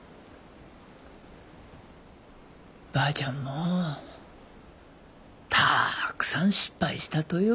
ばあちゃんもたくさん失敗したとよ。